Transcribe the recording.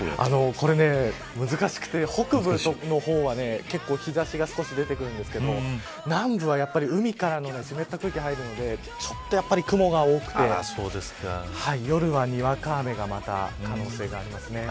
これ難しくて北部の方は結構日差しが出てくるんですけど南部は、やっぱり海からの湿った空気が入るのでちょっと雲が多くて夜は、にわか雨がまた可能性がありますね。